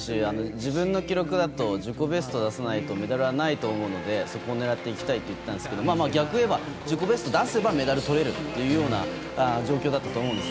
自分の記録だと自己ベストを出さないとメダルはないと思うのでそこを狙っていきたいと言ってたんですけど逆を言えば自己ベストを出せばメダルがとれるという状況だったと思うんです。